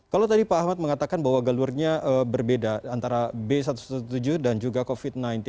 kalau tadi pak ahmad mengatakan bahwa galurnya berbeda antara b satu ratus tujuh belas dan juga covid sembilan belas